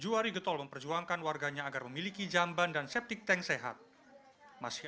juwari getol memperjuangkan warganya agar memiliki jamban dan septic tank sehat masih